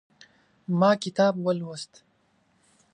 ما کتاب ولوست